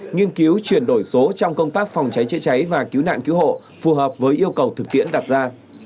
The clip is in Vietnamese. nghiên cứu chuyển đổi số trong công tác phòng cháy chữa cháy và cứu nạn cứu hộ phù hợp với yêu cầu thực tiễn đặt ra